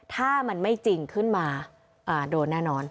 ถ้ามันไม่จริงขึ้นมาโดนแน่นอน